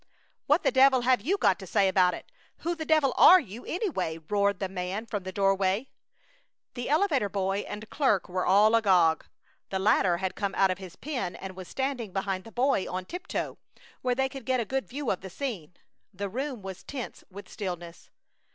"What the devil have you got to say about it? Who the devil are you, anyway?" roared the man from the doorway. The elevator boy and clerk were all agog. The latter had come out of his pen and was standing behind the boy, on tiptoe, where they could get a good view of the scene. The room was tense with stillness.